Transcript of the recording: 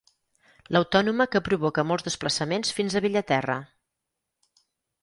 L'Autònoma que provoca molts desplaçaments fins a Bellaterra.